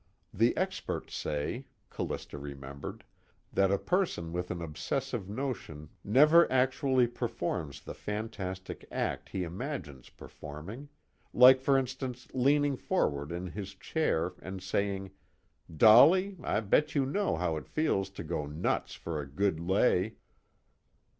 The experts say, Callista remembered, that a person with an obsessive notion never actually performs the fantastic act he imagines performing like for instance leaning forward in this chair and saying: "Dolly, I bet you know how it feels to go nuts for a good lay."